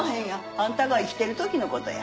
あんたが生きてるときのことや。